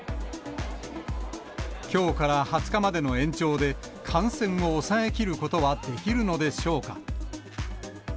きょうから２０日までの延長で、感染を抑えきることはできるのでしょうか。